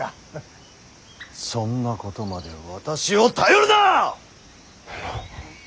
そんなことまで私を頼るな！